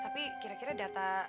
tapi kira kira data